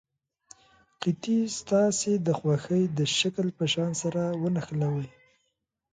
قطي ستاسې د خوښې د شکل په شان سره ونښلوئ.